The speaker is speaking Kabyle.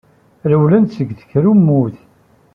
Rewlen-d seg tkurmut.